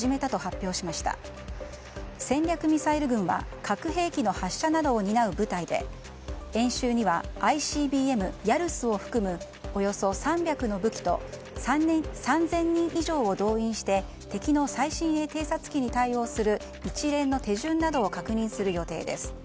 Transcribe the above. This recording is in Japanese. ミサイル軍は核兵器の発射などを担う部隊で演習には、ＩＣＢＭヤルスを含むおよそ３００の武器と３０００人以上を動員して敵の最新鋭偵察機に対応する一連の手順などを確認する予定です。